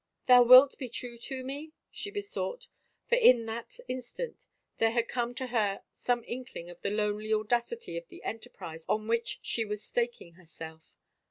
" Thou wilt be true to me ?" she besought, for in that instant there had come to her some inkling of the lonely audacity of the enterprise on which she was staking herself.